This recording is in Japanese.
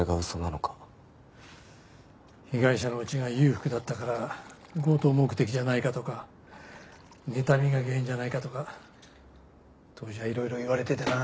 被害者の家が裕福だったから強盗目的じゃないかとかねたみが原因じゃないかとか当時はいろいろ言われてたよな。